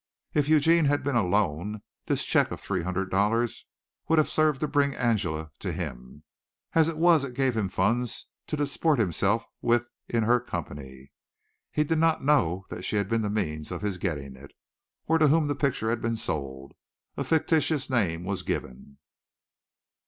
If Eugene had been alone this check of three hundred dollars would have served to bring Angela to him. As it was it gave him funds to disport himself with in her company. He did not know that she had been the means of his getting it, or to whom the picture had been sold. A fictitious name was given.